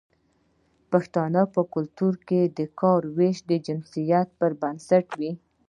د پښتنو په کلتور کې د کار ویش د جنسیت پر بنسټ وي.